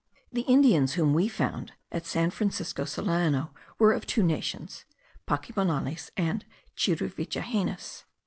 The Indians whom we found at San Francisco Solano were of two nations; Pacimonales and Cheruvichahenas.